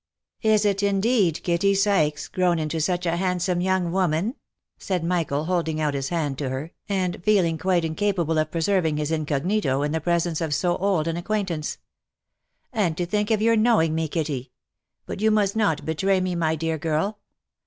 "Is it indeed Kitty Sykes, grown into such a handsome young woman ?" said Michael, holding out his hand to her, and feeling quite incapable of preserving his incognito, in the presence of so old an ac quaintance. "And to think of your knowing me, Kitty! But you must not betray me, my dear girl.